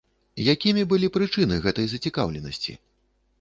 Якімі былі прычыны гэтай зацікаўленасці?